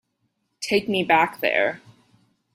Take me back there.